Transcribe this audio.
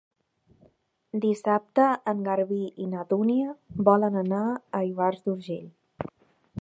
Dissabte en Garbí i na Dúnia volen anar a Ivars d'Urgell.